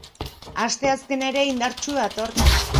Asteazkena ere indartsu dator.